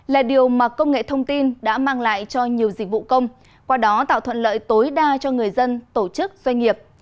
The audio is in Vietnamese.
là điều mà công nghệ thông tin đã mang lại cho nhiều dịch vụ công qua đó tạo thuận lợi tối đa cho người dân tổ chức doanh nghiệp